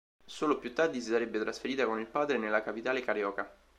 Solo più tardi si sarebbe trasferita con il padre nella capitale carioca.